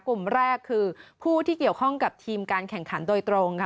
กลุ่มแรกคือผู้ที่เกี่ยวข้องกับทีมการแข่งขันโดยตรงค่ะ